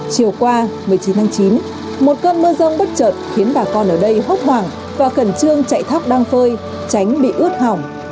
chiều qua một mươi chín tháng chín một cơn mưa rông bất chợt khiến bà con ở đây hốc hoảng và khẩn trương chạy thóc đang phơi tránh bị ướt hỏng